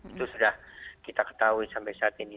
itu sudah kita ketahui sampai saat ini